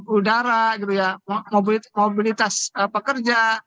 udara gitu ya mobilitas pekerja